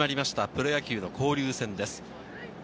プロ野球交流戦です。